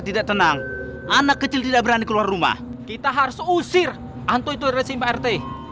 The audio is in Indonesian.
tidak tenang anak kecil tidak berani keluar rumah kita harus usir hantu itu adalah simpa rt